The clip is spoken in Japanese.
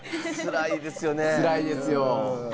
つらいですよね。